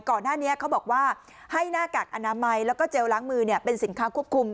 ก่อนหน้านี้เขาบอกว่าให้หน้ากากอนามัยแล้วก็เจลล้างมือเป็นสินค้าควบคุม